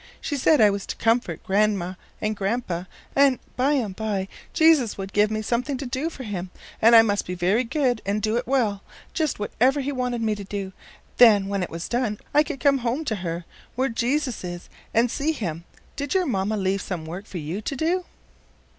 She said I was to comfort Grandma and Grandpa, and bimeby Jesus would give me something to do for him, and I must be very good and do it well—just whatever he wanted me to do; then when it was done I could come home to her, where Jesus is, and see him. Did your mamma leave some work for you to do?"